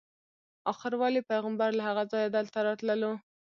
آخر ولې پیغمبر له هغه ځایه دلته راتللو.